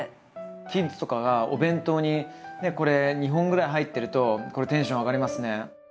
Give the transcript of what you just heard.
キッズとかがお弁当にねこれ２本ぐらい入ってるとこれテンション上がりますね。